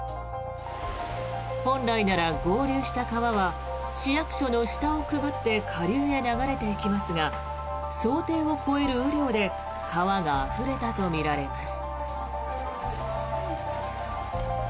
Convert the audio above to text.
本来なら合流した川は市役所の下をくぐって下流へ流れていきますが想定を超える雨量で川があふれたとみられます。